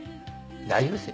大丈夫ですよ。